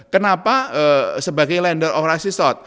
kenapa sebagai lender of resistor